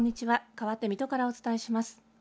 かわって水戸からお伝えします。